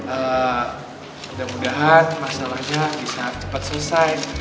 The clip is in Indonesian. mudah mudahan masalahnya bisa cepat selesai